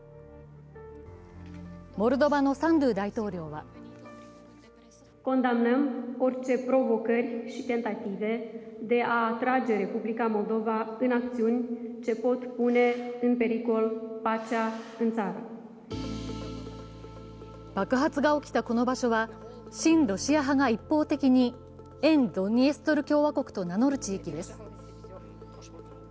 モルドバのサンドゥ大統領は爆発が起きたこの場所は、親ロシア派が一方的に沿ドニエストル共和国と名乗る地域です。